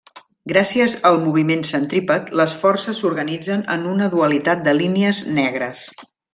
Gràcies al moviment centrípet, les forces s'organitzen en una dualitat de línies negres.